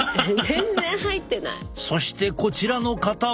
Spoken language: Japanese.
そしてこちらの方は。